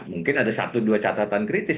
mungkin ada satu dua catatan kritis